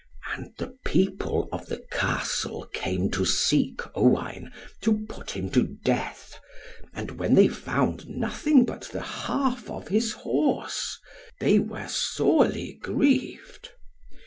And the people of the Castle came to seek Owain, to put him to death, and when they found nothing but the half of his horse, they were sorely grieved.